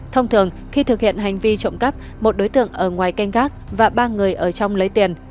thông thường khi thực hiện hành vi trộm cắp một đối tượng ở ngoài canh gác và ba người ở trong lấy tiền